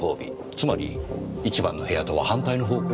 つまり１番の部屋とは反対の方向にあるんですよ。